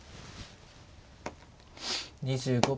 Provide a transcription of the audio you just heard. ２５秒。